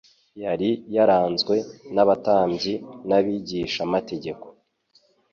Yari yaranzwe n’abatambyi n’abigishamategeko,